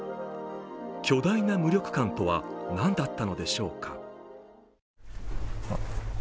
巨大な無力感とは何だったのでしょうか。